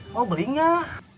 mau beli gak